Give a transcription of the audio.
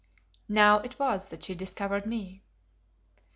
Now it was that she discovered me.